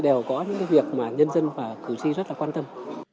đều có những cái việc mà nhân dân và cử tri rất là quan tâm